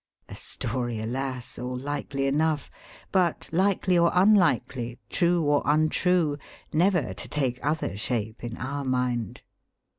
A story, alas ! all likely enough ; but, likely or unlikely, true or untrue, never to take other shape in our mind.